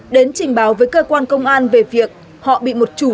đến trình báo với cơ quan công an về việc họ bị một chủ